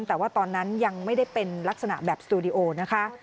แต่ว่าตอนนั้นยังไม่ได้เป็นลักษณะแบบสตูดิโอนะคะ